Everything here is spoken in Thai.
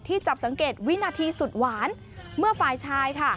จับสังเกตวินาทีสุดหวานเมื่อฝ่ายชายค่ะ